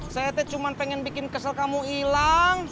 saya teh cuman pengen bikin kesel kamu ilang